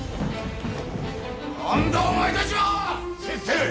先生！